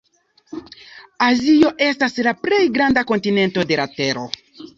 Azio estas la plej granda kontinento de la tero.